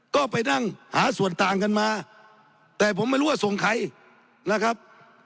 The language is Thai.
ก็ไปนั่งหาส่วนต่างกันมาแต่ผมไม่รู้ว่าส่งใครนะครับ